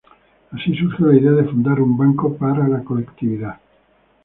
Así surgió la idea de fundar un banco para la colectividad.